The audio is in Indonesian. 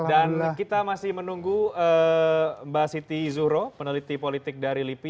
kita masih menunggu mbak siti zuhro peneliti politik dari lipi